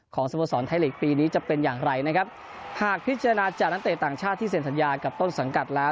สโมสรไทยลีกปีนี้จะเป็นอย่างไรนะครับหากพิจารณาจากนักเตะต่างชาติที่เซ็นสัญญากับต้นสังกัดแล้ว